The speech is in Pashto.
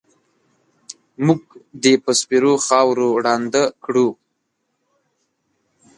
مونږ دې په سپېرو خاورو ړانده کړو